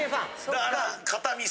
だから。